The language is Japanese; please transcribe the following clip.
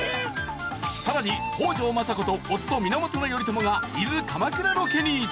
さらに北条政子と夫源頼朝が伊豆鎌倉ロケに。